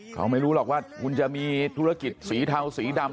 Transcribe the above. เขาไม่รู้หรอกว่าคุณจะมีธุรกิจสีเทาสีดำ